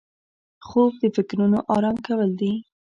خوب د فکرونو آرام کول دي